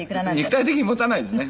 肉体的にもたないですね。